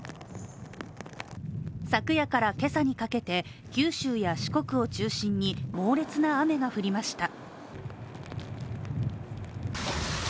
昨夜からけさにかけて、九州や四国を中心に猛烈な雨が降りました。